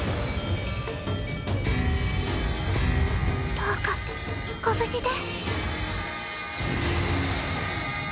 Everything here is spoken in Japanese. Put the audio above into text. どうかご無事で。